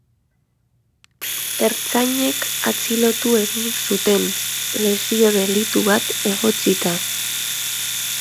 Ertzainek atxilotu egin zuten, lesio-delitu bat egotzita.